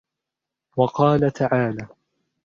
وَقَالَ تَعَالَى: